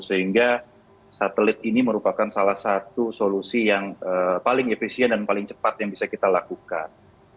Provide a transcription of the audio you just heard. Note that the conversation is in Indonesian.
sehingga satelit ini merupakan salah satu solusi yang paling efisien dan paling cepat yang bisa kita lakukan